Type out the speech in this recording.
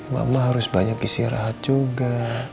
mama harus banyak istirahat juga